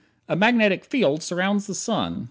A magnetic field surrounds the sun.